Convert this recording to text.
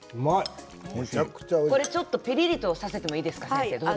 ちょっとピリっとさせてもいいですか、先生。